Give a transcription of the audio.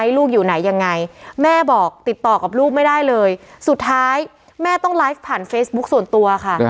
ลูกอยู่ไหนยังไงแม่บอกติดต่อกับลูกไม่ได้เลยสุดท้ายแม่ต้องไลฟ์ผ่านเฟซบุ๊คส่วนตัวค่ะ